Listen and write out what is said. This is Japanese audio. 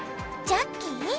ジャッキー？